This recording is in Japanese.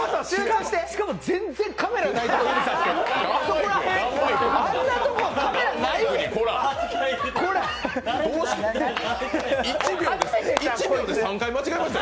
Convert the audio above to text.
しかも、全然カメラないところ指さして。